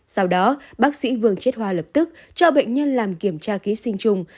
sau đó bác sĩ vương chết hoa lập tức cho bệnh nhân làm kiểm tra ký sinh trùng